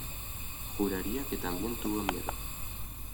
juraría que también tuvo miedo: